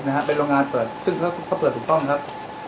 แล้วของเป็นโรงงานเปิดครับซึ่งเขาเปิดถูกต้องครับ